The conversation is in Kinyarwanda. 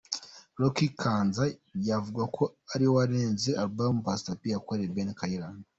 Lokua Kanza byavugwaga ko ari we wanenze alubumu Pastor P yakoreye Ben Kayiranga .